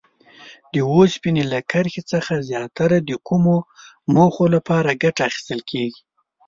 د اوسپنې له کرښې څخه زیاتره د کومو موخو لپاره ګټه اخیستل کیږي؟